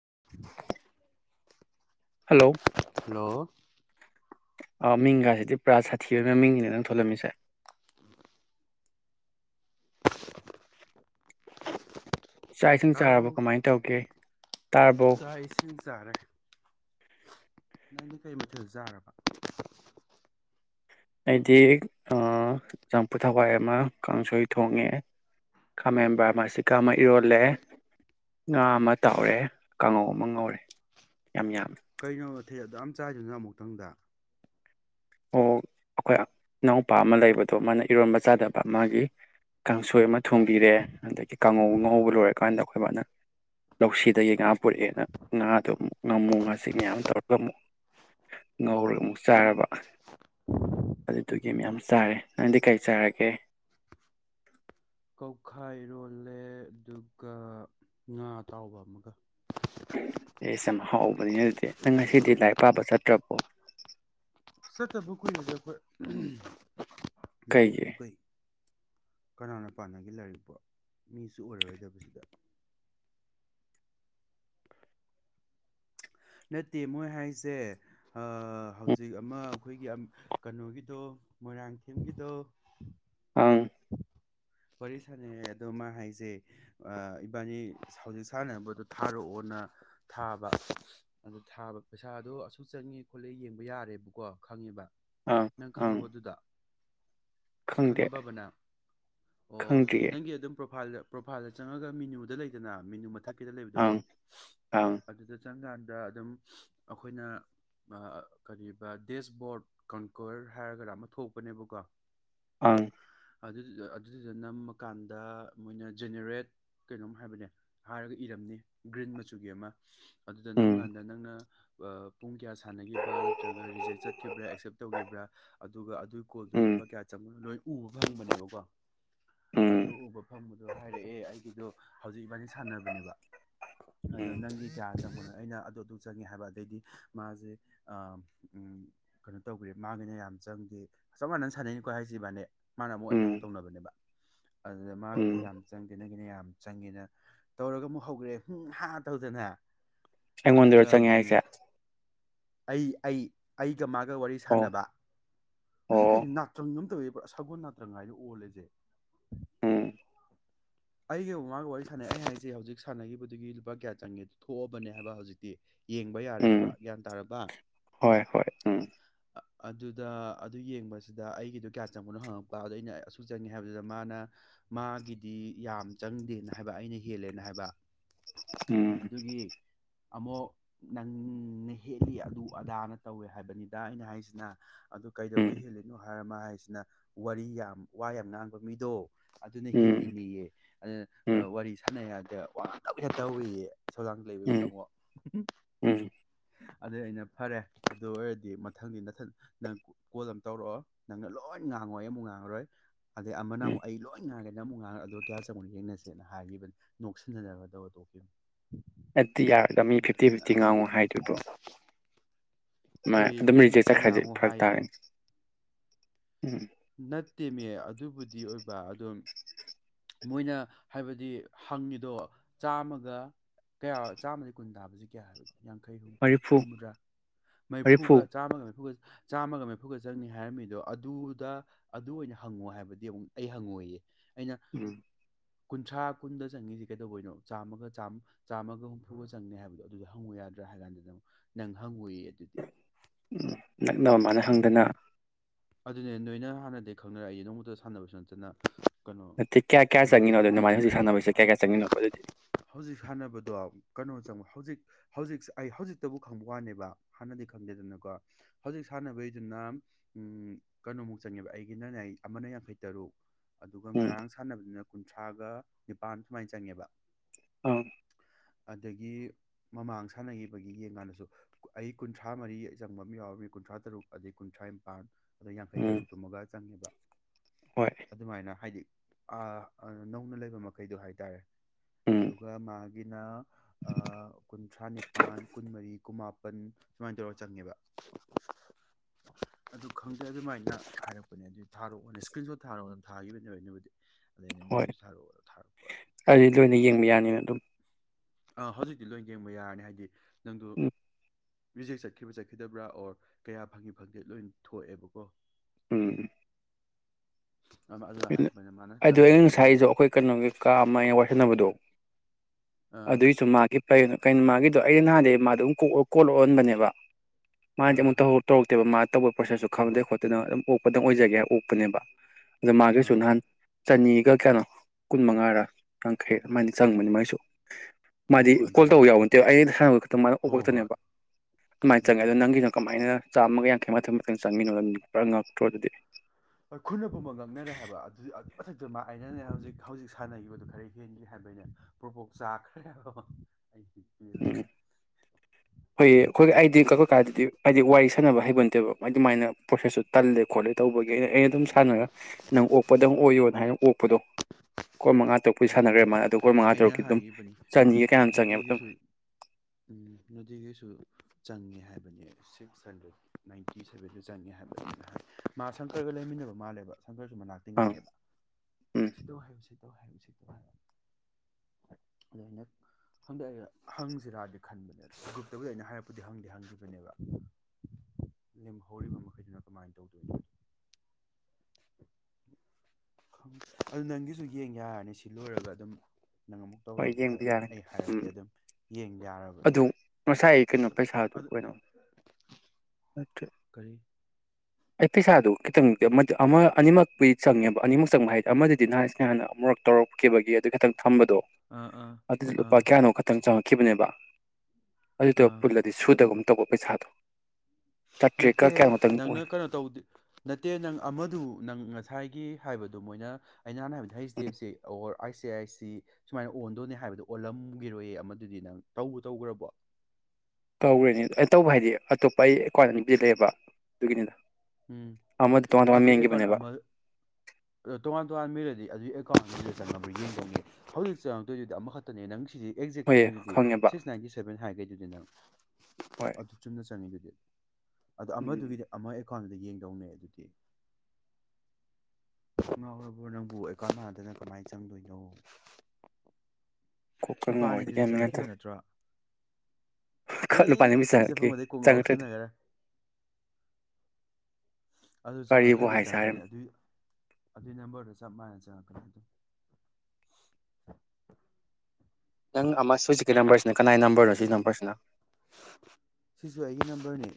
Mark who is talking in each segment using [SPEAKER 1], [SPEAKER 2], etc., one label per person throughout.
[SPEAKER 1] [unintelligible] Hello.
[SPEAKER 2] Hello.
[SPEAKER 1] ꯑ ꯃꯤꯡꯒꯁꯤꯗꯤ ꯄꯨꯔꯥ ꯁꯥꯊꯤꯕꯩ ꯃꯃꯤꯡꯅꯤꯅꯦ ꯅꯪ ꯊꯣꯂꯝꯃꯤꯁꯦ꯫ ꯆꯥꯛ ꯏꯁꯤꯡ ꯆꯥꯔꯕ
[SPEAKER 2] ꯇꯥꯔꯕꯨ
[SPEAKER 1] ꯀꯃꯥꯏꯅ ꯇꯧꯒꯦ꯫ ꯇꯥꯔꯕꯣ
[SPEAKER 2] ꯆꯥꯛ ꯏꯁꯤꯡ ꯆꯥꯔꯦ꯫ ꯅꯪꯗꯤ ꯀꯩ ꯃꯊꯦꯜ ꯆꯥꯔꯕ꯫
[SPEAKER 1] ꯑꯩꯗꯤ ꯑ ꯆꯝꯐꯨ ꯊꯋꯥꯏ ꯑꯃ ꯀꯥꯡꯁꯣꯏ ꯊꯣꯡꯉꯦ ꯈꯥꯃꯦꯟ ꯕꯥꯔꯃꯥꯁꯤꯀꯥ ꯑꯃ ꯏꯔꯣꯜꯂꯦ ꯉꯥ ꯑꯃ ꯇꯥꯎꯔꯦ ꯀꯥꯡꯉꯧ ꯑꯃ ꯉꯧꯔꯦ ꯌꯥꯝ ꯌꯥꯝꯃꯦ꯫
[SPEAKER 2] ꯀꯩꯅꯣ ꯅꯊꯦꯜ ꯑꯗꯨꯌꯥꯝ ꯆꯥꯏꯗꯣꯏꯅ ꯑꯃꯨꯛꯇꯪꯗ꯫
[SPEAKER 1] ꯑꯣ ꯑꯈꯣꯏ ꯏꯅꯥꯎꯄꯥ ꯑꯃ ꯂꯩꯕꯗꯣ ꯃꯥꯅ ꯏꯔꯣꯟꯕ ꯆꯥꯗꯕ ꯃꯥꯒꯤ ꯀꯥꯡꯁꯣꯏ ꯑꯃ꯫ ꯊꯣꯡꯕꯤꯔꯦ ꯑꯗꯒꯤ ꯀꯥꯡꯉꯧ ꯉꯥꯉꯧꯕ ꯂꯣꯏꯔꯀꯥꯟꯗ ꯑꯩꯈꯣꯏ꯫ ꯈꫭꯏꯕꯥꯅ ꯂꯧꯁꯤꯗꯒꯤ ꯉꯥ ꯄꯨꯔꯛꯑꯦꯅ ꯉꯥꯗꯣ ꯑꯃꯨꯛ ꯉꯝꯃꯨ ꯉꯥꯆꯤꯛ ꯃꯌꯥꯝ ꯇꯧꯔꯒ ꯑꯃꯨꯛ ꯉꯧꯔꯒ ꯑꯃꯨꯛ ꯆꯥꯔꯕ꯫ ꯑꯗꯨꯗꯨꯒꯤ ꯃꯌꯥꯝ ꯆꯥꯔꯦ ꯅꯪꯗꯤ ꯀꯩ ꯆꯥꯔꯒꯦ꯫
[SPEAKER 2] ꯀꯧꯈꯥꯏꯔꯣꯜꯂꯦ ꯑꯗꯨꯒ ꯉꯥ ꯑꯇꯥꯎꯕ ꯑꯃꯒ꯫
[SPEAKER 1] ꯑꯦꯁ ꯌꯥꯝ ꯍꯥꯎꯕꯅꯤꯅ ꯑꯗꯨꯗꯤ ꯅꯪ ꯉꯁꯤꯗꯤ ꯂꯥꯏꯔꯤꯛ ꯄꯥꯕ ꯆꯠꯇ꯭ꯔꯕꯣ꯫
[SPEAKER 2] ꯆꯠꯇꯕ ꯀꯨꯏꯔꯦꯗ ꯈꯣꯏ꯫
[SPEAKER 1] ꯀꯩꯒꯤ
[SPEAKER 2] ꯂꯥꯏꯔꯤꯛꯄꯨ ꯀꯩꯅꫭ ꯀꯅꯥꯅ ꯄꯥꯟꯅꯒꯦ ꯂꯥꯏꯔꯤꯛꯄꫭ ꯃꯤꯁꯨ ꯑꯣꯏꯔꯔꯣꯏꯗꯕꯁꯤꯗ꯫ ꯅꯠꯇꯦ ꯃꯣꯏ ꯍꯥꯏꯁꯦ
[SPEAKER 1] ꯎꯝ
[SPEAKER 2] ꯍꯧꯖꯤꯛ ꯑꯃ ꯑꯈꯣꯏꯒꯤ ꯀꯅꯣꯒꯤꯗꯣ ꯃꯣꯏꯔꯥꯡꯊꯦꯝꯒꯤꯗꯣ꯫
[SPEAKER 1] ꯑꯪ
[SPEAKER 2] ꯋꯥꯔꯤ ꯁꯥꯟꯅꯩꯌꯦ ꯑꯗꯣ ꯃꯥ ꯍꯥꯏꯁꯦ ꯏꯕꯥꯅꯤ ꯍꯧꯖꯤꯛ ꯁꯥꯟꯅꯕꯗꯣ ꯊꯥꯔꯛꯑꯣꯅ ꯊꯥꯕ ꯑꯗꯨ ꯊꯥꯕ ꯄꯩꯁꯥꯗꯣ ꯑꯁꯨꯛ ꯆꯪꯉꯦ ꯈꯣꯠꯂꯦ ꯌꯦꯡꯕ ꯌꯥꯔꯦꯕꯀꯣ ꯈꯪꯉꯦꯕ꯫
[SPEAKER 1] ꯑꯪ
[SPEAKER 2] ꯅꯪ
[SPEAKER 1] ꯑꯪ
[SPEAKER 2] ꯈꯪꯉꯕꯗꯨꯗꫭ꯫
[SPEAKER 1] ꯈꯪꯗꯦ
[SPEAKER 2] ꯈꯪꯉꯕꯕ ꯅꯪ꯫ ꯑꯣ
[SPEAKER 1] ꯈꯪꯗ꯭ꯔꯤꯌꯦ
[SPEAKER 2] ꯅꯪ ꯑꯗꯨ ꯑꯗꯨꯝ ꯄ꯭ꯔꯣꯐꯥꯏꯜꯗ ꯄ꯭ꯔꯣꯐꯥꯏꯜꯗ ꯆꯪꯉꯒ ꯃꯦꯅꯨꯗ ꯂꯩꯗꯅ ꯃꯦꯅꯨ ꯃꯊꯛ ꯂꯩꯕꯗꯣ
[SPEAKER 1] ꯑꯪ ꯑꯪ
[SPEAKER 2] ꯑꯗꯨꯗ ꯆꯪ ꯀꯥꯟꯗ ꯗ ꯑꯗꯨꯝ ꯑꯩꯈꯣꯏꯅ ꯀꯔꯤꯕ ꯗꯦꯁꯕꯣꯔꯠ ꯀꯪꯀꯔ ꯍꯥꯏꯔꯒꯔ ꯑꯃ ꯊꯣꯛꯄꯅꯦꯕꯀꯣ
[SPEAKER 1] ꯑꯪ
[SPEAKER 2] ꯑꯗꯨꯗꯨꯗ ꯅꯝꯃꯀꯥꯟꯗ ꯃꯣꯏꯅ ꯖꯦꯅꯦꯔꯦꯠ ꯀꯩꯅꯣꯝ ꯍꯥꯏꯕꯅꯦ ꯍꯥꯏꯔꯒ ꯏꯔꯝꯅꯤ ꯒ꯭ꯔꯤꯟ ꯃꯆꯨꯒꯤ ꯑꯃ ꯑꯗꯨꯗ
[SPEAKER 1] ꯎꯝ
[SPEAKER 2] ꯅꯝꯀꯥꯟꯗ ꯅꯪꯅ ꯑ ꯄꯨꯡ ꯀꯌꯥ ꯁꯥꯟꯅꯈꯤꯕ꯭ꯔꯥ ꯅꯠꯇ꯭ꯔꯒ ꯔꯤꯖꯦꯛ ꯆꯠꯈꯤꯕ꯭ꯔꯥ ꯑꯦꯛꯁꯦꯞ ꯇꯧꯈꯤꯕ꯭ꯔꯥ ꯑꯗꯨꯒ ꯑꯗꯨꯒꯤ ꯀꯣꯜꯗꯨꯒꯤ
[SPEAKER 1] ꯎꯝ
[SPEAKER 2] ꯂꯨꯄꯥ ꯀꯌꯥ ꯆꯉꯅ ꯂꯣꯏ ꯎ [unintelligible]
[SPEAKER 1] ꯎꯝ
[SPEAKER 2] ꯑꯗꯨ ꯎꯕ ꯐꯪꯕꯗꯣ ꯍꯥꯏꯔꯛꯑꯦ ꯑꯩꯒꯤꯗꯣ ꯍꯧꯖꯤꯛ ꯏꯕꯥꯅꯤ ꯁꯥꯟꯅꯕꯅꯦꯕ ꯑꯗꯣ
[SPEAKER 1] ꯎꯝ
[SPEAKER 2] ꯅꯪꯒꯤ ꯀ ꯭ꯌꯥꯇ ꯑꯩꯅ ꯑꯗꯨ ꯑꯗꯨ ꯆꯪꯉꯦ ꯍꯥꯏꯕ ꯑꯗꯩꯗꯤ ꯃꯥꯁꯦ ꯀꯩꯅꯣ ꯇꯧꯈ꯭ꯔꯦ ꯃꯥꯒꯤꯅ ꯌꯥꯝ ꯆꯪꯗꯦ ꯆꯞ ꯃꯥꯟꯅꯅ ꯁꯥꯟꯅꯩꯅꯤꯀꯣ ꯍꯥꯏꯁꯤꯕꯥꯅꯦ ꯃꯥꯅ ꯑꯃꯨꯛ ꯑꯩꯅ
[SPEAKER 1] ꯎꯝ
[SPEAKER 2] ꯑꯃꯨꯛ ꯇꯧꯅꯕꯅꯦꯕ ꯑꯗꯨꯗ ꯃꯥꯒꯤꯗꯤ
[SPEAKER 1] ꯎꯝ
[SPEAKER 2] ꯌꯥꯝ ꯆꯪꯗꯦ ꯅꯪ ꯒꯤꯅ ꯌꯥꯝ ꯆꯪꯉꯦꯅ ꯇꯧꯔꯒ ꯑꯃꯨꯛ ꯍꯧꯈ꯭ꯔꯦ ꯎ ꯍꯥ ꯇꯧꯗꯅ
[SPEAKER 1] ꯑꯩꯉꯣꯟꯗꯔꯣ
[SPEAKER 2] ꯑꯗꯨꯒ
[SPEAKER 1] ꯆꯪꯉꯦ ꯍꯥꯏꯁꯦ
[SPEAKER 2] ꯑꯩ ꯑꯩ ꯑꯩ ꯒ ꯃꯥꯒ ꯋꯥꯔꯤ
[SPEAKER 1] ꯑꯣ
[SPEAKER 2] ꯁꯥꯟꯅꯕ ꯃꯁꯤ
[SPEAKER 1] ꯑꯣ
[SPEAKER 2] ꯀꯩꯅꯣ ꯅꯥꯇꯪ ꯑꯃ ꯇꯧꯋꯦ ꯁꯒꯨꯝꯅ ꯆꯠꯇ꯭ꯔꯉꯥꯏꯗ ꯑꯣꯜꯂꯁꯦ
[SPEAKER 1] ꯎꯝ
[SPEAKER 2] ꯑꯩꯒ ꯃꯃꯥꯒ ꯋꯥꯔꯤ ꯁꯥꯟꯅꯩ ꯑꯩ ꯍꯥꯏꯁꯦ ꯍꯧꯖꯤꯛ ꯁꯥꯟꯅꯈꯤꯕꯗꯨꯗꯒꯤ ꯂꯨꯄꯥ ꯀꯌꯥ ꯆꯪꯒꯦ ꯊꯣꯛꯑꯕꯅꯦ ꯍꯥꯏꯕ ꯍꯧꯖꯤꯛꯇꯤ ꯌꯦꯡꯕ ꯌꯥꯔꯦ
[SPEAKER 1] ꯎꯝ
[SPEAKER 2] ꯍꯥꯏꯕ ꯒ꯭ꯌꯥꯟ ꯇꯥꯔꯕ
[SPEAKER 1] ꯍꯣꯏ ꯍꯣꯏ ꯎꯝ
[SPEAKER 2] ꯑꯗꯨꯗ ꯑꯗꯨ ꯌꯦꯡꯕꯁꯤꯗ ꯑꯩꯒꯤꯗꯣ ꯀꯌꯥ ꯆꯪꯕꯅꯣ ꯍꯪꯉꯛꯄ ꯑꯗꯣ ꯑꯩꯅ ꯑꯁꯨꯛ ꯆꯪꯉꯦ ꯍꯥꯏꯕꯗꯨꯗ ꯃꯥꯅ ꯃꯥꯒꯤꯗꯤ ꯌꯥꯝ ꯆꯪꯗꯦꯅ ꯍꯥꯏꯕ ꯑꯩꯅ ꯍꯦꯜꯂꯦꯅ ꯍꯥꯏꯕ
[SPEAKER 1] ꯎꯝ
[SPEAKER 2] ꯑꯗꯨꯒꯤ ꯑꯃꯨꯛ ꯅꯪꯅ ꯍꯦꯜꯂꯤ ꯑꯗꯨ ꯑꯗꯥꯅ ꯇꯧꯋꯦ ꯍꯥꯏꯕꯅꯤꯗ ꯑꯩꯅ ꯍꯥꯏꯁꯤꯅ ꯑꯗꯨ
[SPEAKER 1] ꯎꯝ
[SPEAKER 2] ꯀꯩꯗꯧꯕꯩ ꯍꯦꯜꯂꯤꯅꯣ ꯍꯥꯏꯔ ꯃꯥꯥ ꯍꯥꯏꯁꯤꯅ ꯋꯥꯔꯤ ꯌꯥꯝ ꯋꯥ ꯌꯥꯝ ꯉꯥꯡꯕ ꯃꯤꯗꯣ ꯑꯗꯨꯅ
[SPEAKER 1] ꯎꯝ
[SPEAKER 2] ꯍꯦꯜꯂꯤꯅꯦ ꯌꯦ ꯑꯗꯨ
[SPEAKER 1] ꯎꯝ
[SPEAKER 2] ꯋꯥꯔꯤ ꯁꯥꯟꯅꯩ ꯍꯥꯏꯗꯦ ꯋꯥ ꯉꯥꯡꯅꯕ ꯍꯦ ꯇꯧꯏꯌꯦ ꯊꯧꯗꯥꯡ ꯂꯩꯕꯤꯕ
[SPEAKER 1] ꯎꯝ
[SPEAKER 2] ꯇꯥꯃꯣ
[SPEAKER 1] ꯎꯝ
[SPEAKER 2] ꯑꯗꯨꯩ ꯑꯩꯅ ꯐꯔꯦ ꯑꯗꯨ ꯑꯣꯏꯔꯗꯤ ꯃꯊꯪꯗꯤ ꯅꯊꯪ ꯅꯪ ꯀꯣꯜ ꯑꯃ ꯇꯧꯔꯛꯑꯣ ꯅꯪꯅ ꯂꯣꯏ ꯉꯥꯡꯉꯣꯏ ꯑꯃꯨꯛ ꯉꯥꯡꯉꯔꯣꯏ ꯑꯗꯩ ꯑꯃꯅ
[SPEAKER 1] ꯎꯝ
[SPEAKER 2] ꯑꯃꯨꯛ ꯑꯩ ꯂꯣꯏ ꯉꯥꯡꯉꯦꯅ ꯑꯃꯨꯛ ꯉꯥꯡꯉꯨ ꯑꯗꯨ ꯀꯌꯥ ꯆꯥꯪꯉꯦꯅ ꯌꯦꯡꯅꯁꯦꯅ ꯍꯥꯏꯈꯤꯕꯅꯤ ꯅꯣꯛꯁꯤꯟꯖꯅꯔꯒ ꯇꯣꯛꯈꯤꯕꯅꯤ
[SPEAKER 1] [unintelligible] ꯃꯤ ꯐꯤꯐꯇꯤ
[SPEAKER 2] ꯑꯗꯨꯒꯨꯝꯕꯗ ꯀꯅꯥ
[SPEAKER 1] ꯐꯤꯐꯇꯤ ꯉꯥꯡꯉꯨ ꯍꯥꯏꯗꯣꯏꯕꯣ ꯃꯥ
[SPEAKER 2] ꯍꯣꯏꯌꯦ
[SPEAKER 1] ꯑꯗꯨꯝ
[SPEAKER 2] ꯐꯤꯐꯇꯤ
[SPEAKER 1] ꯔꯤꯖꯦꯛ
[SPEAKER 2] ꯐꯤꯐꯇꯤ
[SPEAKER 1] ꯆꯠꯈ꯭ꯔꯗꯤ
[SPEAKER 2] ꯉꯥꯡꯉꯨ
[SPEAKER 1] ꯐꯔꯛ
[SPEAKER 2] ꯍꯥꯏꯌꯦ
[SPEAKER 1] ꯇꯥꯔꯦꯅꯦ ꯎꯝ
[SPEAKER 2] ꯅꯠꯇꯦꯅꯦ ꯑꯗꯨꯕꯨꯗꯤ ꯑꯣꯏꯕ ꯑꯗꯨꯝ ꯃꯣꯏꯅ ꯍꯥꯏꯕꯗꯤ ꯍꯪꯉꯤꯗꯣ ꯆꯥꯝꯃꯒ ꯀꯌꯥ ꯆꯥꯝꯃꯗ ꯀꯨꯟ ꯇꯥꯕꯁꯤ ꯀꯌꯥ ꯍꯥꯏꯕꯅꯣ ꯌꯥꯡꯈꯩ ꯍꯨꯝꯐꯨ
[SPEAKER 1] ꯃꯔꯤꯐꯨ
[SPEAKER 2] ꯍꯨꯝꯐꯨꯇꯔꯥ
[SPEAKER 1] ꯃꯔꯤꯐꯨ
[SPEAKER 2] ꯃꯔꯤꯐꯨꯒ ꯆꯥꯝꯃꯒ ꯃꯔꯤꯐꯨꯒ ꯆꯥꯝꯃꯒ ꯃꯔꯤꯐꯨꯒ ꯆꯪꯅꯤ ꯍꯥꯏꯔꯝꯃꯤꯗꯣ ꯑꯗꯨꯗ ꯑꯗꯨ ꯑꯣꯏꯅ ꯍꯪꯉꯣ ꯍꯥꯏꯕꯗꯤ ꯑꯃꯨꯛ ꯑꯩ ꯍꯪꯉꯣꯏꯌꯦ ꯑꯩꯅ
[SPEAKER 1] ꯎꯝ
[SPEAKER 2] ꯀꯨꯟꯊ꯭ꯔꯥ ꯀꯨꯟꯗ ꯆꯪꯉꯤꯁꯦ ꯀꯩꯗꯧꯕꯅꯣ ꯆꯥꯝꯃꯒ ꯆꯥꯝꯃꯒ ꯍꯨꯝꯐꯨꯒ ꯆꯪꯅꯤ ꯍꯥꯏꯕꯗꯣ ꯑꯗꯨꯗ ꯍꯪꯉꯨ ꯌꯥꯗ꯭ꯔꯥ ꯍꯥꯏ ꯀꯥꯟꯗ ꯑꯃꯨꯛ ꯅꯪ ꯍꯪꯉꯨꯌꯦ
[SPEAKER 1] ꯎꯝ ꯅꯛꯅꯕ ꯃꯥꯅ
[SPEAKER 2] ꯏ
[SPEAKER 1] ꯍꯪꯗꯅ
[SPEAKER 2] ꯑꯗꯨꯅꯦ ꯅꯣꯏꯅ ꯍꯥꯟꯅꯗꯩꯩ ꯈꯪꯅꯔ ꯑꯩ ꯅꯣꯡꯃꯇ ꯁꯥꯟꯅꯕꯁꯨ ꯅꯠꯇꯅ ꯀ ꯩꯅꯣ
[SPEAKER 1] ꯅꯠꯇꯦ ꯀꯌꯥ ꯀꯌꯥ ꯆꯪꯉꯤꯅꯣꯗꯣ ꯅꯕꯅꯤ ꯍꯧꯖꯤꯛ ꯁꯥꯟꯅꯕꯁꯦ ꯀꯌꯥ ꯀꯌꯥ ꯆꯪꯉꯤꯅꯣꯕ ꯑꯗꯨꯗꯤ
[SPEAKER 2] ꯍꯧꯖꯤꯛ ꯁꯥꯟꯅꯕꯗꯣ ꯀꯩꯅꯣ ꯆꯪꯕ ꯍꯧꯖꯤꯛ ꯍꯧꯖꯤꯛ ꯑꯩ ꯍꯧꯖꯤꯛꯇꯕꯨ ꯈꯪꯕ ꯋꯥꯅꯦꯕ ꯍꯥꯟꯅꯗꯤ ꯈꯪꯗꯦꯗꯅꯀꯣ ꯍꯧꯖꯤꯛ ꯁꯥꯟꯅꯕꯩꯗꯨꯅ ꯀꯩꯅꯣꯃꯨꯛ ꯆꯪꯉꯦꯕ ꯑꯩꯒꯤꯅꯅꯦ ꯑꯩ ꯑꯃꯅ ꯌꯥꯡꯈꯩꯇꯔꯨꯛ ꯑꯗꯨꯒ
[SPEAKER 1] ꯎꯝ
[SPEAKER 2] ꯉꯔꯥꯡ ꯑꯗꯨꯅ ꯀꯨꯟꯊ꯭ꯔꯥꯒ ꯅꯤꯄꯥꯟ ꯁꯨꯃꯥꯏꯅ ꯆꯪꯉꯦꯕ
[SPEAKER 1] ꯑꯥ
[SPEAKER 2] ꯒꯤ ꯃꯃꯥꯡ ꯁꯥꯟꯅꯈꯤꯕꯒꯤ ꯌꯦꯡ ꯀꯥꯟꯗꯁꯨ ꯑꯩ ꯀꯨꯟꯊ꯭ꯔꯥ ꯃꯔꯤ ꯆꯪꯕ ꯑꯃ ꯌꯥꯎꯔꯝꯃꯤ ꯀꯨꯟꯊ꯭ꯔꯥ ꯇꯔꯨꯛ ꯑꯗꯩ ꯀꯨꯟꯊ꯭ꯔꯥ ꯅꯤꯄꯥꯜ ꯑꯗ ꯌꯥꯡꯈꯩ
[SPEAKER 1] ꯎꯝ
[SPEAKER 2] ꯇꯔꯨꯛ ꯇꯨꯃꯒ ꯆꯪꯉꯦꯕ
[SPEAKER 1] ꯍꯣꯏ
[SPEAKER 2] ꯑꯗꯨꯃꯥꯏꯅ ꯍꯥꯏꯗꯤ ꯑ ꯅꯧꯅ ꯂꯩꯕ ꯃꯈꯩꯗꯣ ꯍꯥꯏꯇꯥꯔꯦ
[SPEAKER 1] ꯎꯝ
[SPEAKER 2] ꯑꯗꯨꯒ ꯃꯥꯒꯤꯅ ꯀꯨꯟꯊ꯭ꯔꯥ ꯅꯤꯄꯥꯥꯟ ꯀꯨꯟꯃꯔꯤ ꯀꯨꯟꯃꯥꯄꯟ ꯁꯨꯃꯥꯏ ꯇꯧꯔ ꯆꯪꯉꯦꯕ ꯑꯗꯨ ꯈꯪꯗꯦ ꯑꯗꯨꯃꯥꯏꯅ ꯍꯥꯏꯔꯛꯄꯅꯦ ꯑꯗꯨ ꯊꯥꯔꯛꯑꯣꯅꯦ ꯏꯁꯀ꯭ꯔꯤꯟ ꯁꯣꯠ ꯊꯥꯔꯛꯑꯣꯅ ꯊꯥꯈꯤꯕꯅꯦ ꯑꯩꯅꯕꯨꯗꯤ ꯑꯗꯩ ꯑꯩꯅ
[SPEAKER 1] ꯍꯣꯏ
[SPEAKER 2] ꯅꯪꯒꯤꯁꯨ ꯊꯥꯔꯛꯑꯣ ꯊꯥꯔꯛꯄ
[SPEAKER 1] ꯑꯗꯨꯗꯤ ꯂꯣꯏꯅ ꯌꯦꯡꯕ ꯌꯥꯅꯤꯅ ꯑꯗꯨꯝ
[SPEAKER 2] ꯑꯥ ꯍꯧꯖꯤꯛꯇꯤ ꯂꯣꯏ ꯌꯦꯡꯕ ꯌꯥꯔꯅꯤ ꯍꯥꯏꯗꯤ ꯅꯪꯗꯨ
[SPEAKER 1] ꯎꯝ
[SPEAKER 2] ꯔꯤꯖꯦꯛ ꯆꯠꯈꯤꯕ ꯆꯠꯈꯤꯗꯕ꯭ꯔꯥ ꯑꯣꯔ ꯀꯌꯥ ꯐꯪꯏ ꯐꯪꯗꯦ ꯂꯣꯏ ꯊꯣꯛꯑꯦꯕꯀꯣ
[SPEAKER 1] ꯎꯝ
[SPEAKER 2] ꯑꯃ ꯑꯗꯨꯅ ꯍꯥꯏꯔꯛꯄꯅꯤꯅ ꯃꯥꯅ
[SPEAKER 1] ꯑꯗꯨ ꯑꯩꯅ
[SPEAKER 2] ꯆꯪꯉꯕ꯭ꯔꯥ
[SPEAKER 1] ꯉꯁꯥꯏꯁꯨ
[SPEAKER 2] ꯌꯦꯡꯉꯣꯅ
[SPEAKER 1] ꯑꯩꯈꯣꯏ ꯀꯩꯅꯣꯒꯤ ꯀꯥ ꯑꯃ ꯋꯥꯔꯤ ꯁꯥꯟꯅꯕꯗꯨ
[SPEAKER 2] ꯑꯥ
[SPEAKER 1] ꯑꯗꯨꯏꯁꯨ ꯃꯥꯒꯤ ꯄ [unintelligible] ꯀꯩꯅꯣ ꯃꯥꯒꯤꯗꯣ ꯑꯩꯅ ꯅꯍꯥꯟꯗꯩ ꯃꯥ ꯑꯗꯨꯝ ꯀꯣꯜ ꯑꯣꯛꯍꯟꯕꯅꯦꯕ ꯃꯥꯗꯤ
[SPEAKER 2] ꯑꯥ
[SPEAKER 1] ꯃꯨꯛꯇ ꯇꯧꯔꯛꯇꯦꯕ ꯃꯥ ꯇꯧꯕ ꯄ꯭ꯔꯣꯁꯦꯁꯁꯨ
[SPEAKER 2] ꯍꯣꯏ
[SPEAKER 1] ꯈꯪꯗꯦ
[SPEAKER 2] ꯍꯣꯏ
[SPEAKER 1] ꯈꯣꯠꯇꯦ ꯅꯪ ꯑꯗꯨꯝ ꯑꯣꯛ ꯇꯪ ꯑꯣꯏꯖꯒꯦ ꯑꯣꯛꯄꯅꯦꯕ ꯑꯗ ꯃꯥꯒꯤꯁꯨ
[SPEAKER 2] ꯑꯥ
[SPEAKER 1] ꯅꯍꯥꯟ ꯆꯅꯤꯒ ꯀꯌꯥꯥꯅꯣ ꯀꯨꯟ ꯃꯉꯥꯔ ꯌꯥꯡꯈꯩꯔ ꯑꯗꯨꯃꯥꯏꯅ ꯆꯪꯕꯅꯤ ꯃꯥꯏꯁꯨ ꯃꯥꯗꯤ
[SPEAKER 2] ꯑꯣ
[SPEAKER 1] ꯀꯣꯜ
[SPEAKER 2] ꯑꯗꯨꯅꯤ
[SPEAKER 1] ꯇꯧꯕ ꯌꯥꯎꯕ ꯅꯠꯇꯦꯕ ꯑꯩ ꯁꯥꯟꯅꯕ ꯈꯛꯇꯪ ꯃꯥꯅ ꯑꯣꯛꯄ
[SPEAKER 2] ꯍꯣꯏ ꯍꯣꯏ
[SPEAKER 1] ꯈꯛꯇꯅꯦꯕ ꯑꯗꯨꯃꯥꯏꯅ ꯆꯪꯉꯦ
[SPEAKER 2] ꯎꯝ
[SPEAKER 1] ꯑꯗꯣ ꯅꯪꯒꯤꯅ ꯀꯃꯥꯏꯅ ꯆꯥꯝꯃꯒ ꯌꯥꯡꯈꯩꯃꯥꯊꯣꯏ ꯃꯨꯛꯇ ꯆꯪꯉꯤꯅꯣ ꯄꯨꯔ ꯉꯛꯇ꯭ꯔꯣ ꯑꯗꯨꯗꯤ
[SPEAKER 2] ꯍꯣꯏ ꯈꯨꯟ ꯑꯄꯨꯝꯕ ꯉꯛꯅꯔꯦ ꯍꯥꯏꯕ ꯑꯗꯨ ꯑꯗꯨ ꯃꯊꯛꯇ ꯃꯥ ꯑꯩꯅꯅꯦ ꯍꯧꯖꯤꯛ ꯍꯧꯖꯤꯛ ꯁꯥꯟꯅꯈꯤꯕꯗꯨ ꯈꯔ ꯍꯦꯟꯒꯦ ꯍꯥꯏꯕꯒꯤꯅꯦ ꯄ꯭ꯔꯣꯕꯣꯛ ꯆꯥꯛꯈ꯭ꯔꯦ ꯍꯥꯏꯕ ꯑꯩ
[SPEAKER 1] ꯎꯝ ꯍꯣꯏꯌꯦ ꯑꯩꯈꯣꯏ ꯑꯩꯗꯤ ꯀꯥꯀꯥꯗꯨꯗꯤ ꯍꯥꯏꯗꯤ ꯋꯥꯔꯤ ꯁꯥꯅꯕ ꯍꯩꯕ ꯅꯠꯇꯦꯕ ꯃꯥꯏꯗꯨ ꯃꯥꯏꯅ ꯄ꯭ꯔꯣꯁꯦꯁꯁꯨꯨ ꯇꯜꯂꯦ ꯈꯣꯠꯂꯦ ꯇꯧꯕꯒꯤ ꯑꯩ ꯑꯗꯨꯝ
[SPEAKER 2] ꯍꯣꯏ
[SPEAKER 1] ꯁꯥꯟꯅꯔꯒ ꯅꯪ ꯑꯣꯛꯄꯗꯪ ꯑꯣꯏꯌꯣꯅ ꯍꯥꯏꯔ ꯄꯨꯗꯣꯛ ꯑꯥꯈꯣꯌ ꯃꯉꯥ ꯇꯔꯨꯛꯇꯨ ꯁꯥꯟꯈ꯭ꯔꯦ
[SPEAKER 2] ꯎꯝ
[SPEAKER 1] ꯑꯗꯨꯃꯥꯏ ꯑꯗꯣ ꯁꯈꯣꯏ ꯃꯉꯥ
[SPEAKER 2] ꯑꯩꯅ
[SPEAKER 1] ꯇꯔꯨꯛꯀꯤ ꯑꯗꯨꯝ
[SPEAKER 2] ꯍꯥꯏꯈꯤꯕꯅꯤ
[SPEAKER 1] ꯆꯪꯒꯤꯌꯦ ꯀꯌꯥꯅꯣꯝ ꯑꯗꯨꯝ
[SPEAKER 2] ꯅꯣꯗꯤꯒꯤꯁꯨ ꯎꯝ ꯅꯣꯗꯤꯒꯤꯁꯨ ꯆꯪꯉꯦ ꯍꯥꯏꯕꯅꯦ ꯁꯤꯛꯁ ꯍꯟꯗ꯭ꯔꯦꯠ ꯅꯥꯏꯟꯇꯤ ꯁꯚꯦꯟꯗ ꯆꯪꯉꯦ ꯍꯥꯏꯕꯅꯤ ꯍꯥꯏ ꯃꯥ ꯁꯪꯀꯥꯔꯒ ꯂꯩꯃꯤꯟꯅꯕ ꯃꯥꯜꯂꯦꯕ ꯁꯪꯒ꯭ꯔꯁꯨ ꯃꯅꯥꯛꯇꯩ
[SPEAKER 1] ꯑꯪ
[SPEAKER 2] ꯉꯥꯡꯉꯦꯕ
[SPEAKER 1] ꯎꯝ
[SPEAKER 2] ꯁꯤꯗ ꯍꯥꯏꯍꯅꯁꯤ ꯍꯥꯏꯍꯟꯁꯤ ꯑꯗꯨ ꯑꯩꯅ ꯍꯟꯗꯛ ꯑꯩꯅ ꯍꯪꯁꯤꯔꯗꯤ ꯈꯟꯕꯅꯦꯇꯕꯨꯗ ꯑꯩꯅ ꯍꯥꯏꯔꯛꯄꯗꯤ ꯍꯪꯗꯦ ꯍꯪꯈꯤꯕꯅꯦꯕ ꯂꯦꯝ ꯍꯧꯔꯤꯕ ꯃꯈꯩꯗꯨꯅ ꯀꯃꯥꯏꯅ ꯇꯧꯗꯣꯏꯅꯣ ꯑꯗꯨ ꯅꯪꯒꯤꯁꯨ ꯌꯦꯡꯒꯦ ꯌꯥꯔꯅꯤ ꯁꯤ ꯁꯤ ꯂꯣꯏꯔꯒ ꯑꯗꯨꯝ ꯅꯪ ꯑꯃꯨꯛ ꯇꯧꯔꯣ
[SPEAKER 1] ꯍꯣꯏ
[SPEAKER 2] ꯑꯗꯨꯒ
[SPEAKER 1] ꯌꯦꯡꯕ ꯌꯥꯒꯅꯤ
[SPEAKER 2] ꯑꯩ
[SPEAKER 1] ꯎꯝ
[SPEAKER 2] ꯍꯥꯏꯔꯛꯀꯦ ꯑꯗꯨꯝ ꯌꯦꯡ ꯌꯥ
[SPEAKER 1] ꯑꯗꯨ ꯉꯁꯥꯏ ꯑꯩ ꯀꯩꯅꯣ ꯄꯩꯁꯥꯗꯨ
[SPEAKER 2] ꯑꯗꯨ
[SPEAKER 1] ꯀꯩꯅꯣ
[SPEAKER 2] ꯀꯔꯤ
[SPEAKER 1] ꯑꯩ ꯄꯩꯁꯥꯗꯨ ꯈꯤꯇꯪ ꯑꯃ ꯑꯅꯤꯃꯛꯄꯨꯗꯤ ꯆꯪꯉꯦꯕ ꯑꯅꯤꯃꯛ ꯆꯪꯕ ꯍꯥꯏꯗꯤ ꯑꯃꯗꯗꯤ ꯅꯍꯥꯟ ꯁꯅꯦꯍꯥ ꯑꯃꯛꯨꯔꯛ ꯇꯧꯔꯛꯈꯤꯕꯒꯤ ꯑꯗꯨ ꯈꯤꯇꯪ ꯊꯝꯕꯗꯣ
[SPEAKER 2] ꯑꯥ ꯑꯥ
[SPEAKER 1] ꯑꯗꯨꯗꯤ ꯂꯨꯄꯥ
[SPEAKER 2] ꯑꯥ
[SPEAKER 1] ꯀꯌꯥꯅꯣ ꯈꯛꯇꯪ ꯆꯪꯉꯛ ꯈꯤꯕꯅꯦꯕ ꯑꯗꯨꯗꯨꯒ
[SPEAKER 2] ꯑꯥ
[SPEAKER 1] ꯄꯨꯨꯜꯂꯗꯤ ꯁꯨꯗꯒꯨꯝ ꯇꯧꯕ ꯄꯩꯁꯥꯗꯣ ꯆꯥꯇ꯭ꯔꯦꯠꯀ
[SPEAKER 2] ꯅꯠꯇꯦ
[SPEAKER 1] ꯀꯌꯥꯃꯨꯛꯇꯪ
[SPEAKER 2] ꯅꯪꯅ
[SPEAKER 1] ꯑꯣꯏ
[SPEAKER 2] ꯀꯩꯅꯣ ꯇꯧ ꯅꯠꯇꯦ ꯅꯪ ꯑꯃꯗꯨ ꯅꯪ ꯉꯁꯥꯏꯒꯤ ꯍꯥꯏꯕꯗꯨ ꯃꯣꯏꯅ ꯑꯩꯩꯅ ꯅꯍꯥꯟ ꯍꯥꯏꯕꯗꯣ ꯍꯤꯁ ꯗꯤ ꯑꯕ ꯁꯤ ꯍꯧꯔ ꯑꯩ ꯁꯤ ꯑꯥꯏ ꯁꯤ ꯁꯨꯃꯥꯏꯅ ꯑꯣꯟꯗꯣꯅꯦ ꯍꯥꯏꯕꯗꯣ ꯑꯣꯜꯂꯝꯒꯤꯔꯣꯏꯑ ꯑꯃꯗꯨꯗꯤ ꯅꯪ ꯇꯧꯕꯨ ꯇꯧꯈ꯭ꯔꯕꯣ
[SPEAKER 1] ꯇꯧꯔꯦꯅꯤ ꯑꯩꯅ ꯇꯧꯕ ꯍꯥꯏꯗꯤ ꯑꯇꯣꯞꯄ ꯑꯩ ꯑꯥꯀꯧꯟꯠ ꯑꯥꯅꯤꯕꯨꯗꯤ ꯂꯩꯌꯦꯕ ꯑꯗꯨꯒꯤꯅꯤꯗ
[SPEAKER 2] ꯎꯝ
[SPEAKER 1] ꯑꯃꯗ ꯇꯣꯉꯥꯟ ꯇꯣꯉꯥꯟ
[SPEAKER 2] ꯑꯗꯨ ꯑꯦꯀꯥꯎꯟ
[SPEAKER 1] ꯃꯦꯟꯈꯤꯕꯅꯦꯕ
[SPEAKER 2] ꯑꯃ ꯇꯣꯉꯥꯟ ꯇꯣꯉꯥꯟ ꯃꯦꯜꯂꯥꯗꯤ ꯑꯗꯨꯒꯤ ꯑꯦꯀꯥꯎꯟꯗꯨꯗ ꯆꯪꯉꯕ ꯌꯦꯡꯗꯦ ꯍꯧꯖꯤꯛ ꯆꯪꯉꯛꯇꯣꯏꯗꯨꯗꯤ ꯑꯃꯈꯛꯇꯅꯦ ꯅꯪ ꯁꯤꯗꯤ ꯑꯦꯛꯖꯦꯛ
[SPEAKER 1] ꯍꯣꯏ
[SPEAKER 2] ꯆꯨꯝꯃꯤꯗꯨꯗꯤ
[SPEAKER 1] ꯈꯪꯉꯦꯕ
[SPEAKER 2] ꯁꯤꯛꯁ ꯅꯥꯏꯟꯇꯤ ꯁꯚꯦꯟ ꯍꯥꯏꯒꯩ ꯑꯥꯗꯨꯗꯤ ꯅꯡ
[SPEAKER 1] ꯍꯣꯏ
[SPEAKER 2] ꯑꯗꯨ ꯆꯨꯝꯅ ꯁꯨꯝ ꯆꯉꯤꯗꯨꯗꯤ ꯑꯗꯣ
[SPEAKER 1] ꯎꯝ
[SPEAKER 2] ꯑꯃꯗꯨꯒꯤꯗꯤ ꯑꯃ ꯑꯦꯛ ꯑꯥꯀꯧꯅꯇꯗꯥ ꯌꯦꯡꯗꯧꯅꯦ ꯑꯗꯨꯗꯤ ꯉꯥꯎꯔꯕ ꯅꯪꯕꯨ ꯑꯩꯀꯥꯟ ꯌꯥꯗꯅ ꯀꯃꯥꯏꯅ ꯆꯪꯗꯣꯏꯅꯣ
[SPEAKER 1] ꯀꯣꯀꯥ
[SPEAKER 2] ꯂꯨꯄꯥ
[SPEAKER 1] ꯉꯥꯎꯋꯤꯗ
[SPEAKER 2] ꯑꯅꯤꯗꯨꯗꯤ
[SPEAKER 1] ꯒꯌ꯭ꯥꯟ ꯃꯦꯟꯉꯥ ꯇ
[SPEAKER 2] ꯆꯪꯉꯛꯈꯤꯕ ꯅꯠꯇ꯭ꯔꯣ ꯑꯦ ꯄꯩꯁ ꯐꯪꯕꯗꯩꯩ ꯀꯣꯡ
[SPEAKER 1] ꯆꯪꯉꯛꯇ꯭ꯔꯗꯤ
[SPEAKER 2] ꯉꯥꯎꯁꯤꯟꯅꯈꯔꯦ ꯑꯗꯨ ꯆꯪꯉꯒ
[SPEAKER 1] ꯀꯔꯤꯕꯨ
[SPEAKER 2] ꯈꯔꯗꯤ
[SPEAKER 1] ꯍꯥꯏ ꯁꯥꯔꯤꯝ
[SPEAKER 2] ꯆꯪꯉꯛꯀꯅꯤ ꯑꯗꯨꯏ ꯑꯗꯨꯏ ꯅꯝꯕꯔꯗꯨ ꯆꯞ ꯃꯥꯟꯅ ꯆ ꯆꯉꯥꯀꯅꯤ
[SPEAKER 1] ꯅꯪ ꯑꯃ ꯁ ꯍꯧꯖꯤꯛꯀꯤ ꯅꯝꯕꯔꯁꯤꯅ ꯀꯅꯥꯏ ꯅꯝꯕꯔꯅꯣ ꯁꯤ ꯅꯝꯕꯔꯁꯤꯅ
[SPEAKER 2] ꯁꯤꯁꯨ ꯑꯩꯒꯤ ꯅꯝꯕꯔꯅꯦ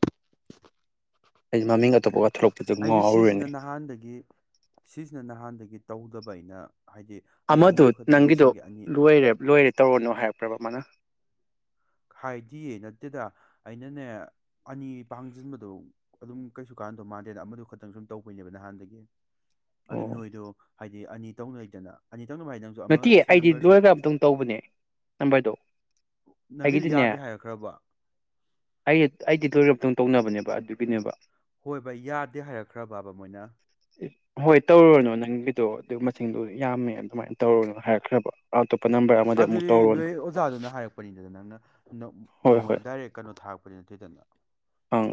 [SPEAKER 1] [unintelligible] ꯊꯣꯛꯂꯛꯄꯗꯨ
[SPEAKER 2] ꯑꯩꯅ
[SPEAKER 1] ꯉꯥꯎꯔꯨꯔꯦꯅꯦ
[SPEAKER 2] ꯁꯤꯁꯤꯅ ꯅꯍꯥꯟꯗꯒꯤ ꯁꯤꯁꯤꯅ ꯅꯍꯥꯟꯗꯒꯤ꯫ ꯇꯧꯗꯕ ꯑꯩꯅ꯫ ꯍꯥꯏꯗꯤ ꯑꯦ
[SPEAKER 1] ꯑꯃꯗꯨ
[SPEAKER 2] ꯈꯛꯇꯪ
[SPEAKER 1] ꯅꯪꯒꯤꯗꯨꯣ
[SPEAKER 2] ꯂꯣꯏꯁꯤꯟꯒꯦ ꯑꯅꯤ
[SPEAKER 1] ꯂꯣꯏꯦꯔꯦ ꯂꯣꯏꯔꯦ ꯇꯧꯔꯅꯨ ꯍꯥꯏꯔꯄ꯭ꯔꯕ ꯃꯥꯅ꯫
[SPEAKER 2] ꯍꯥꯏꯗꯤꯌꯦ ꯅꯠꯇꯦꯗ ꯑꯩꯅꯅꯦ ꯑꯅꯤ ꯄꯥꯡꯖꯤꯟꯕꯗꯣ ꯑꯗꯨꯝ ꯀꯩꯁꯨ ꯀꯥꯟꯗꯣ ꯃꯥꯟꯗꯦꯅ ꯑꯃꯗꯨ ꯈꯛꯇꯪ ꯁꯨꯝ ꯇꯧꯕꯩꯅꯦꯕ ꯅꯍꯥꯟꯗꯒꯤ꯫ ꯑꯗꯨ
[SPEAKER 1] ꯑꯣ
[SPEAKER 2] ꯅꯣꯏꯗꯣ ꯍꯥꯏ꯫ ꯑꯅꯤ ꯇꯧꯅꯣꯏꯗꯅ ꯑꯅꯤ꯫ ꯇꯧꯅꯕ ꯍꯥꯏꯗꯤ ꯅꯪꯁꯨ ꯑꯃ
[SPEAKER 1] ꯅꯠꯇꯤꯌꯦ
[SPEAKER 2] ꯁꯤ
[SPEAKER 1] ꯑꯩꯗꯤ
[SPEAKER 2] ꯅꯝꯕꯔꯁꯤ
[SPEAKER 1] ꯂꯣꯏꯔꯒ ꯃꯇꯨꯡ ꯇꯧꯕꯅꯦ ꯅꯝꯕꫪꯗꯣ꯫
[SPEAKER 2] ꯅꯪꯒꯤꯗꯨ
[SPEAKER 1] ꯑꯩꯒꯤꯗꯤꯅꯦ
[SPEAKER 2] ꯌꯥꯗꯦ ꯍꯥꯏꯔꯛꯈ꯭ꯔꯕ
[SPEAKER 1] ꯑꯩ ꯑꯩꯗꯤ ꯂꯣꯏꯔ ꯃꯇꯨꯡ꯫ ꯇꯧꯅꯕꯅꯦꯕ ꯑꯗꯨꯒꯤꯅꯦꯕ꯫
[SPEAKER 2] ꯍꯣꯏꯕ ꯌꯥꯗꯦ ꯍꯥꯏꯔꯛꯈ꯭ꯔꯕꯕꯥ ꯃꯣꯏꯅ꯫
[SPEAKER 1] ꯍꯣꯏ ꯇꯧꯔꯨꯅꯨ ꯅꯪꯒꯤꯗꯣ ꯑꯗꯨ ꯃꯁꯤꯡꯗꯨꯣ ꯌꯥꯝꯃꯦ ꯑꯗꯨꯃꯥꯏꯅ꯫ ꯇꯧꯔꯨꯅꯨ ꯍꯥꯏꯔꯛꯈ꯭ꯔꯕꫭ꯫
[SPEAKER 2] ꯑꯗꯨꯗꯤ ꯅꯣꯏ ꯑꯣꯖꯥꯗꯨꯅ ꯍꯥꯏꯔꯛꯄꯅꯤꯗꯅ ꯅꯪꯅ
[SPEAKER 1] ꯍꯣꯏ ꯍꯣꯏ
[SPEAKER 2] ꯅꯉꯣꯟꯗ ꯗꯥꯏꯔꯦꯛ ꯀꯩꯅꯣ ꯊꯥꯔꯛꯄꯅꯤ ꯅꯠꯇꯦꯗꯅ꯫
[SPEAKER 1] ꯑꯪ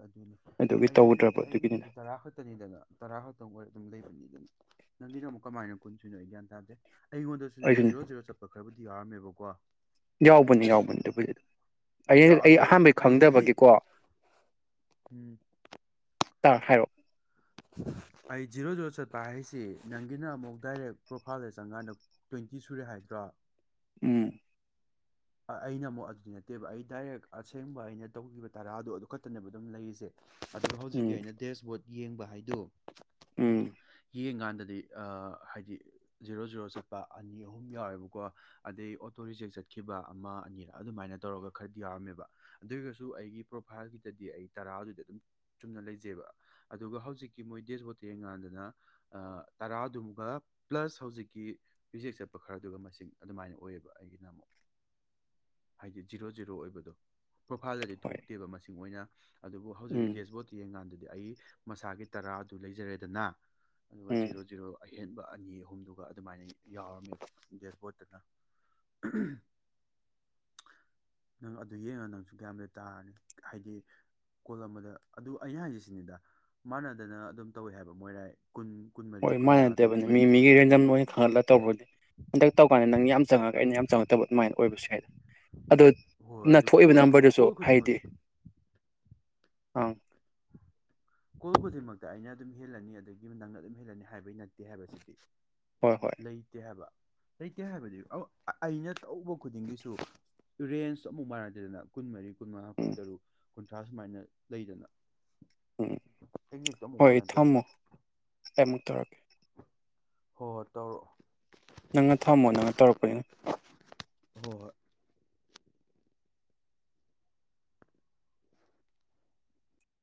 [SPEAKER 2] ꯑꯗꯨꯅꯤ
[SPEAKER 1] ꯑꯗꯨꯒꯤ
[SPEAKER 2] ꯑꯩꯒꯤꯗꯨ
[SPEAKER 1] ꯇꯧꯗ꯭ꯔꯕ ꯑꯗꯨꯒꯤꯅꯤꯗ
[SPEAKER 2] ꯑꯩꯒꯤꯗꯨꯗꯤ ꯇꯔꯥ ꯈꯛꯇꯅꯤꯗꯅ ꯇꯔꯥ ꯈꯛꯇꯪ ꯑꯣꯏ ꯑꯗꯨꯝ ꯂꯩꯕꯅꯤꯗꯅ꯫ ꯅꯪꯒꯤꯅ ꯑꯃꯨꯛ ꯀꯃꯥꯏꯅ ꯀꯨꯟꯁꯨꯏꯅꯣ ꯑꯩ ꯒ꯭ꯌꯥꯟ ꯇꯥꯗꯦ꯫ ꯑꯩꯉꯣꯟꯗꯁꯨꯅꯦ
[SPEAKER 1] ꯑꯩꯁꯨꯅꯦ
[SPEAKER 2] ꯖꯤꯔꯣꯖꯔꯣ ꯆꯠꯄ꯫ ꯈꯔꯕꯨꯗꯤ ꯍꯥꯔꯝꯃꯦꯕꯀꯣ꯫
[SPEAKER 1] ꯌꯥꯎꯕꯅꯤ ꯌꯥꯎꯕꯅꯤ ꯑꯕꯨꯗꯤ ꯑꯩ
[SPEAKER 2] ꯌꯥ
[SPEAKER 1] ꯑꯩ
[SPEAKER 2] ꯑꯗꯨ
[SPEAKER 1] ꯑꯍꯥꯟꯕꯩ
[SPEAKER 2] ꯑꯩꯒꯤꯗꯤ
[SPEAKER 1] ꯈꯪꯗꯕꯒꯤ꯫
[SPEAKER 2] ꯎꯝ꯫
[SPEAKER 1] ꯇꯥ ꯍꯥꯏꯔꯛꯑꯣ꯫
[SPEAKER 2] ꯑꯩ ꯖꯤꯔꯣ ꯖꯤꯔꯣ ꯆꯠꯄ ꯍꯥꯏꯁꯤ ꯅꯪꯒꯤꯅ ꯑꯃꯨꯛ ꯗꯥꯏꯔꯦꯛ ꯄ꯭ꯔꯣꯐꯥꯏꯜꯗ ꯆꯪꯀꯥꯟꯗ ꯇ꯭ꯋꯦꯟꯇꯤ ꯁꯨꯔꯦ ꯍꯥꯏꯗ꯭ꯔꯣ꯫
[SPEAKER 1] ꯎꯝ꯫
[SPEAKER 2] ꯑꯩꯅ ꯑꯃꯨꯛ ꯑꯗꯨꯗꯤ ꯅꯠꯇꯦꯕ ꯑꯩ ꯗꯥꯏꯔꯦꯛ ꯑꯁꯦꯡꯕ ꯑꯩꯅ ꯇꯧꯒꯤꯕ ꯇꯔꯥꯗꯣ ꯑꯗꯨ ꯈꯛꯇꯅꯦꯅꯕ ꯑꯗꯨꯝ ꯂꯩꯔꯤꯁꯦ꯫ ꯑꯗꯨꯒ
[SPEAKER 1] ꯎꯝ
[SPEAKER 2] ꯍꯧꯖꯤꯛꯀꯤ ꯑꯩꯅ ꯗꯦꯁꯕꯨꯠ꯫ ꯌꯦꯡꯕ ꯍꯥꯏꯗꯣ꯫
[SPEAKER 1] ꯎꯝ‌
[SPEAKER 2] ꯌꯦꯡꯀꯥꯟꯗꯗꯤ ꯍꯥꯏꯗꯤ ꯖꯤꯔꯣ ꯖꯤꯔꯣ ꯆꯠꯄ ꯑꯅꯤ ꯑꯍꯨꯝ ꯌꯥꯎꯋꯦꯕꯀꯣ ꯑꯗꯩ ꯑꯣꯇꯣ ꯔꯤꯖꯦꯛ ꯆꯠꯈꯤ꯫ ꯈꯤꯕ ꯑꯃ ꯑꯅꯤꯔ ꯑꯗꯨꯃꯥꯏꯅ ꯇꯧꯔꯒ ꯈꯔꯗꯤ ꯌꯥꯎꯔꯝꯃꯦꯕ ꯑꯗꯨ ꯑꯣꯏꯔꯒꯁꯨ ꯑꯩꯒꯤ ꯄ꯭ꯔꯣꯐꯥꯏꯜꯒꯤꯗꯗꯤ ꯑꯩ ꯇꯔꯥꯗꯨꯗꯤ ꯑꯗꯨꯝ ꯆꯨꯝꯅ ꯂꯩꯖꯩꯕ ꯑꯗꯨꯒ ꯍꯧꯖꯤꯛꯀꯤ ꯃꯣꯏ ꯗꯦꯖ ꯍꯣꯠꯇ ꯌꯦꯡꯀꯥꯟꯗꯅ ꯇꯔꯥꯗꯨꯃꯒ ꯄ꯭ꯂꯁ ꯍꯧꯖꯤꯛꯀꯤ ꯐꯤꯖꯦꯛ ꯆꯠꯄ ꯈꯔꯗꯨꯒ ꯃꯁꯤꯡ ꯑꯗꯨꯃꯥꯏꯅ ꯑꯣꯏꯌꯦꯕ ꯑꯩꯒꯤꯅ ꯑꯃꯨꯛ꯫ ꯍꯥꯏꯗꯤ ꯖꯤꯔꯣ ꯖꯤꯔꯣ ꯑꯣꯏꯕꯗꯣ ꯄ꯭ꯔꯣꯐꯥꯏꯜꯗꯗꯤ
[SPEAKER 1] ꯍꯣꯏ
[SPEAKER 2] ꯊꯣꯛꯇꯦꯕ ꯃꯁꯤꯡ ꯑꯣꯏꯅ꯫ ꯑꯗꯨꯕꯨ ꯍꯧꯖꯤꯛꯀꯤ
[SPEAKER 1] ꯎꯝ
[SPEAKER 2] ꯗꯦꯁꯕꯣꯔꯠꯇ ꯌꯦꯡ ꯀꯥꯟꯗꯗꯤ꯫ ꯑꯩ ꯃꯁꯥꯒꯤ ꯇꯔꯥ ꯑꯧꯗꯨ ꯂꯩꯖꯔꯦꯗꯅ꯫ ꯑꯗꯨꯒ
[SPEAKER 1] ꯎꯝ
[SPEAKER 2] ꯖꯤꯔꯣ ꯖꯤꯔꯣ꯫ ꯑꯍꯦꯟꯕ ꯑꯅꯤ ꯑꯍꯨꯝꯗꯨꯒ ꯑꯗꯨꯃꯥꯏꯅ ꯌꯥꯎꯔꯝꯃꯤꯕ ꯗꯦꯠꯕꯣꯔꯠꯇꯅ꯫ ꯅꯪ ꯑꯗꯨ ꯌꯦꯡꯉ‌ ꯅꯪꯁꯨ ꯒ꯭ꯌꯥꯟꯕꯨꯗꯤ ꯇꯥꯔꯅꯤ ꯍꯥꯏꯗꯤ ꯀꯣꯜ ꯑꯃꯗ ꯑꯗꯨ ꯑꯩꯅ ꯍꯥꯏꯁꯤꯁꯤꯅꯤꯗ ꯃꯥꯟꯅꯗꯅ ꯑꯗꯨꯝ ꯇꯧꯋꯦ ꯍꯥꯏꯕ ꯃꯣꯏꯔꯥꯏ꯫ ꯀꯨꯟ ꯀꯨꯟꯃꯔꯤ
[SPEAKER 1] ꯍꯣꯏ
[SPEAKER 2] ꯀꯨꯟꯃꯉꯥ ꯇꯧꯔꯤꯗꯣ
[SPEAKER 1] ꯃꯥꯟꯅꯗꯕꯅꯤ ꯃꯤ
[SPEAKER 2] ꯀꯩꯒꯤꯅꯣ
[SPEAKER 1] ꯃꯤꯒꯤ ꯔꯦꯟꯗꯝ ꯑꯣꯏꯅ ꯈꯜꯂꯒ ꯇꯧꯕ ꯍꯟꯗꯛ ꯇꯧꯀꯥꯟꯗ ꯅꯪ ꯌꯥꯝ ꯆꯪꯉꯒ
[SPEAKER 2] ꯑꯗꯨ
[SPEAKER 1] ꯑꯩꯅ ꯌꯥꯝ ꯆꯪꯉꯛꯇꯕ ꯑꯗꯨꯃꯥꯏꯅ ꯑꯣꯏꯕꯁꯨ ꯍꯥꯏ ꯑꯗꯣ
[SPEAKER 2] ꯍꯣꯏ ꯍꯣꯏ ꯑꯗꯨ
[SPEAKER 1] ꯅꯊꯣꯛꯏꯕ
[SPEAKER 2] ꯀꯣꯜ
[SPEAKER 1] ꯅꯝꯕꯔꯗꯨꯁꯨ
[SPEAKER 2] ꯀꯣꯜ ꯈꯨꯗꯤꯡꯃꯛ
[SPEAKER 1] ꯍꯥꯏꯗꯤ ꯑꯪ
[SPEAKER 2] ꯀꯣꯜ ꯈꯨꯗꯤꯡꯃꯛꯇ ꯑꯩꯅ ꯑꯗꯨꯝ ꯍꯦꯜꯂꯅꯤ ꯑꯗꯒꯤ ꯅꯪꯅ ꯑꯗꯨꯝ ꯍꯦꯜꯂꯅꯤ ꯍꯥꯏꯕꯩ ꯅꯠꯇꯦ ꯍꯥꯏꯕꯁꯤꯗꯤ
[SPEAKER 1] ꯍꯣꯏ ꯍꯣꯏ
[SPEAKER 2] ꯂꯩꯇꯦ ꯍꯥꯏꯕ ꯂꯩꯇꯦ ꯍꯥꯏꯕꯗꯤ ꯑꯧ ꯑ ꯑꯩꯅ ꯇꯧꯕ ꯈꯨꯗꯤꯡꯒꯤꯁꯨ ꯔꯦꯟꯖ ꯑꯃꯨꯛ ꯃꯥꯏꯅꯗꯦꯗꯅ ꯀꯨꯟꯃꯔꯤ ꯀꯨꯟ ꯃꯉꯥ
[SPEAKER 1] ꯎꯝ
[SPEAKER 2] ꯀꯨꯟꯇꯔꯨꯛ ꯀꯨꯟꯊ꯭ꯔꯥ ꯁꯨꯃꯥꯏꯅ ꯂꯩꯗꯅ
[SPEAKER 1] ꯎꯝ
[SPEAKER 2] ꯑꯦꯛꯖꯦꯛꯇꯣ ꯑꯃꯨꯛ
[SPEAKER 1] ꯍꯣꯏ
[SPEAKER 2] ꯃꯥꯟꯅꯗꯦ ꯍꯥꯏꯕ
[SPEAKER 1] ꯊꯝꯃꯣ ꯍꯧꯔꯦꯟ ꯑꯃꯨꯛ ꯇꯧꯔꯛꯀꯦ
[SPEAKER 2] ꯍꯣ ꯍꯣ ꯇꯧꯔꯛꯑꯣ
[SPEAKER 1] ꯅꯪꯅ ꯊꯝꯃꯣ ꯅꯪꯅ ꯇꯧꯔꯛꯄꯅꯤꯅ
[SPEAKER 2] ꯍꯣ ꯍꯣꯏ